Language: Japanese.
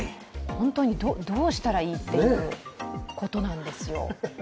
本当にどうしたらいいっていうことなんですよ。